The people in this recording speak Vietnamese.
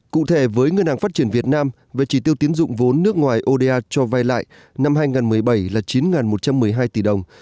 cụ thể với ngân hàng phát triển việt nam về chỉ tiêu tiến dụng vốn nước ngoài oda cho vay lại năm hai nghìn một mươi bảy là chín một trăm một mươi hai tỷ đồng